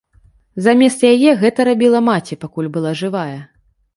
Замест яе гэта рабіла маці, пакуль была жывая.